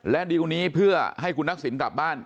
และดีลูกนี้เพื่อให้คุณนักศิลป์กลับบ้าน